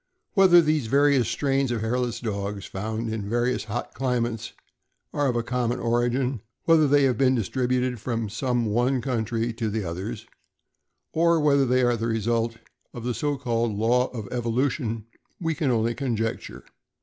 Whether these various strains of hairless dogs found in the various hot climates are of a common origin, whether they have been distributed from some one country to the others, or whether they are the result of the so called law of evolution, we can only conjecture.